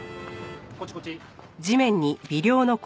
こっちこっち。